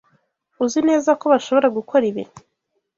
Uzi neza ko bashobora gukora ibi?